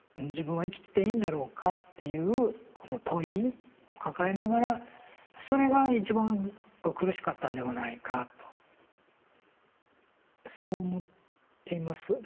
「自分は生きてていいんだろうか」っていうこの問いを抱えながらそれが一番苦しかったんではないかとそう思っています。